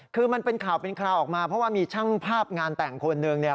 คือมันเป็นข่าวเป็นคราวออกมาเพราะว่ามีช่างภาพงานแต่งคนหนึ่งเนี่ย